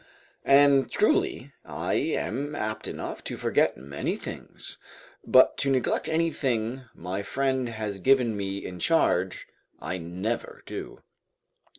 And, truly, I am apt enough to forget many things, but to neglect anything my friend has given me in charge, I never do it.